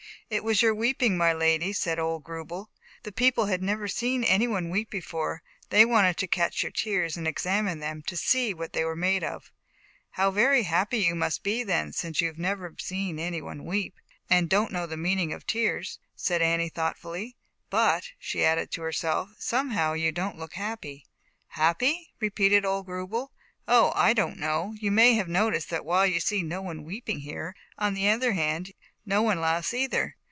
" "It was your weeping, my little lady," said old Grubel. "The people had never seen any one weep before, they wanted to catch your tears and examine them, to see what they were made of." "How very happy you must be then, have never seen any one weep, ZAUBERLINDA, THE WISE WITCH. 157 and don't know the meaning of tears," said Annie thoughtfully, "but," she added, to herself, " somehow you don't look happy." "Happy?" repeated old Grubel. "Oh, I don't know, you may have noticed that while you see no one weep ing, here, on the other hand no one laughs either.